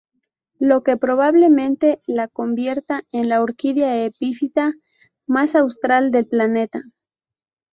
Lo que probablemente la convierta en la orquídea epífita más austral del planeta.